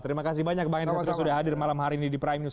terima kasih banyak bang hensatrio sudah hadir malam hari ini di prime news